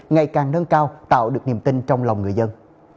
ngày càng nâng cao tạo được niềm tin trong lòng người dân